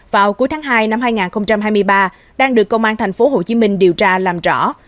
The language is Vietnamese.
vào cuối tháng hai năm hai nghìn hai mươi ba đang được công an tp hcm điều tra làm rõ